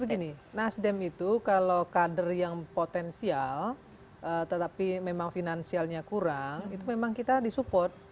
jadi begini nasdem itu kalau kader yang potensial tetapi memang finansialnya kurang itu memang kita disupport